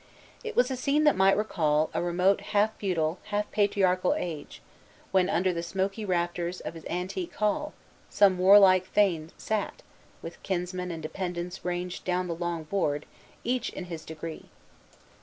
It was a scene that might recall a remote half feudal, half patriarchal age, when, under the smoky rafters of his antique hall, some warlike thane sat, with kinsmen and dependants ranged down the long board, each in his degree.